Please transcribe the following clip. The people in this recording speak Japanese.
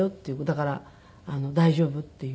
だから大丈夫っていう。